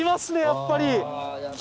やっぱり。